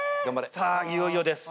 さぁいよいよです。